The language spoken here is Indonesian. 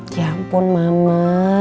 ya ampun mama